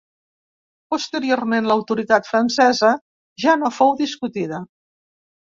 Posteriorment l'autoritat francesa ja no fou discutida.